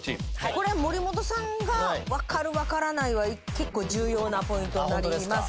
これ森本さんがわかるわからないは結構重要なポイントになりますよね。